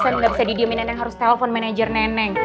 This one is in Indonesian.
nggak bisa didiamin neneng harus telepon manajer neneng